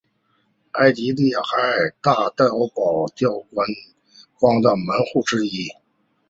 埃尔利海滩是大堡礁观光的门户之一。